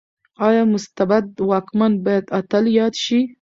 ايا مستبد واکمن بايد اتل ياد شي؟